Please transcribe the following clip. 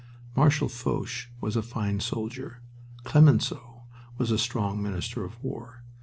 Marshal Foch was a fine soldier. Clemenceau was a strong Minister of War.